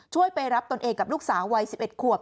ไปรับตนเองกับลูกสาววัย๑๑ขวบ